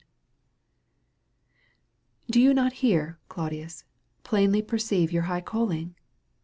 Do you not here, Claudius, plainly perceive your high calling?